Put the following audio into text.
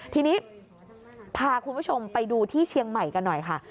ทีนี้พาคุณผู้ชมไปดูที่เชียงใหม่กันหน่อยค่ะ